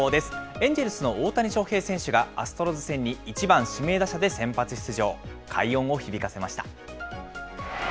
エンジェルスの大谷翔平選手が、アストロズ戦に１番指名打者で先発出場、快音を響かせました。